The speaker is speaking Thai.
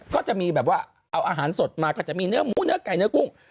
ก็จะมีแบบว่าเอาอาหารสดมาก็จะมีเนื้อหมูเนื้อไก่เนื้อกุ้ง